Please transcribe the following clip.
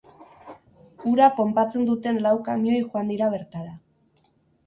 Ura ponpatzen duten lau kamioi joan dira bertara.